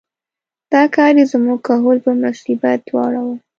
دا کار یې زموږ کهول په مصیبت واړاوه.